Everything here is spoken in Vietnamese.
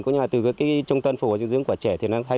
cũng như là từ cái trung tân phổ hồi dưỡng dưỡng của trẻ